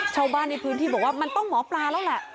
ชาวบ้านในพื้นที่บอกว่ามันต้องหมอปลาแล้วแหละ